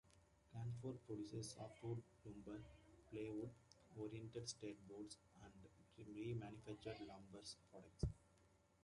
Canfor produces softwood lumber, plywood, oriented strand board and remanufactured lumber products.